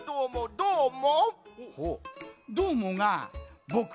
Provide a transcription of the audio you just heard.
どーも！